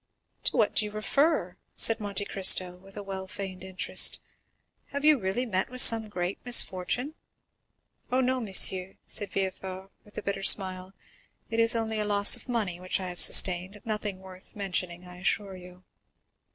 "To what do you refer?" said Monte Cristo with well feigned interest. "Have you really met with some great misfortune?" "Oh, no, monsieur," said Villefort with a bitter smile; "it is only a loss of money which I have sustained—nothing worth mentioning, I assure you."